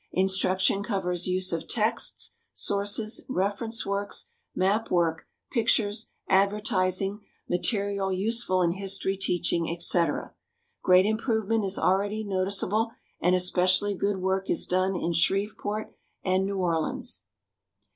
Instruction covers use of texts, sources, reference works, map work, pictures, advertising, material useful in history teaching, etc. Great improvement is already noticeable and especially good work is done in Shreveport and New Orleans.